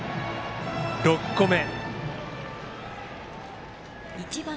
６個目。